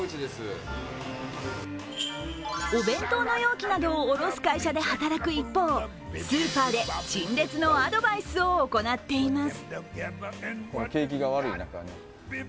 お弁当の容器などを卸す会社で働く一方スーパーで陳列のアドバイスを行っています。